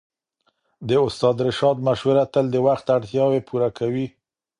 د استاد رشاد مشوره تل د وخت اړتياوې پوره کوي.